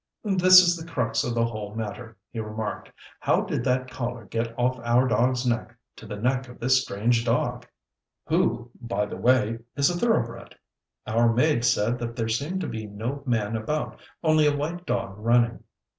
"This is the crux of the whole matter," he remarked, "How did that collar get off our dog's neck to the neck of this strange dog who, by the way, is a thoroughbred. Our maid said that there seemed to be no man about, only a white dog running."